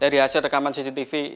dari hasil rekaman cctv